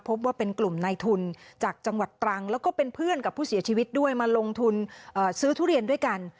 พบว่าเป็นกลุ่มในทุนจากจังหวัดตรังแล้วก็เป็นเพื่อนกับผู้เสียชีวิตด้วยมาลงทุนซื้อทุเรียนด้วยกัน